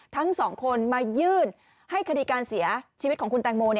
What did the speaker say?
ทั้งสองคนมายื่นให้คดีการเสียชีวิตของคุณแตงโม